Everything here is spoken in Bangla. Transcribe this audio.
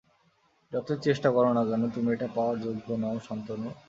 যতই চেষ্টা করো না কেন, তুমি ওটা পাওয়ার যোগ্য নও শান্তনু।